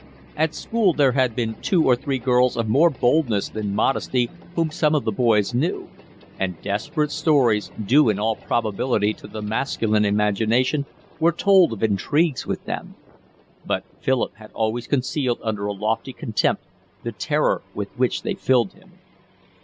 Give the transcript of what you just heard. At school there had been two or three girls of more boldness than modesty whom some of the boys knew; and desperate stories, due in all probability to the masculine imagination, were told of intrigues with them; but Philip had always concealed under a lofty contempt the terror with which they filled him.